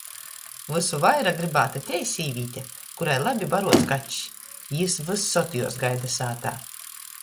Vysu vaira grybāta tei sīvīte, kurai labi baruots kačs. Jis vysod juos gaida sātā.